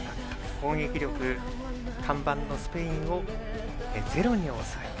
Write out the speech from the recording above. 攻撃力が看板のスペインをゼロに抑えた。